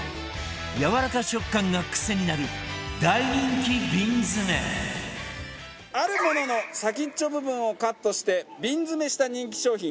やわらか食感が癖になる大人気瓶詰めあるものの先っちょ部分をカットして瓶詰めした人気商品。